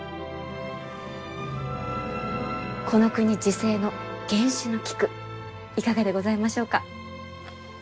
この国自生の原種の菊いかがでございましょうか？